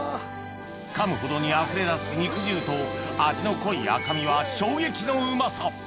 かむほどにあふれ出す肉汁と味の濃い赤身は衝撃のうまさ